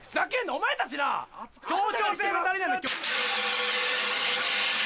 お前たちな協調性が足りないんだよ。